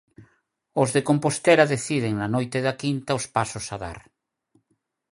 Os de Compostela deciden na noite da quinta os pasos a dar.